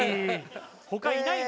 他いないの？